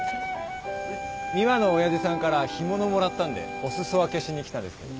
美和の親父さんから干物もらったんでお裾分けしに来たんですけど。